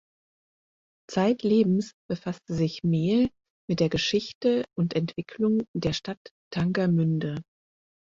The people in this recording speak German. Zeitlebens befasste sich Mehl mit der Geschichte und Entwicklung der Stadt Tangermünde.